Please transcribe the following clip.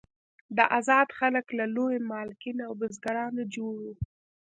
دا آزاد خلک له لویو مالکین او بزګرانو جوړ وو.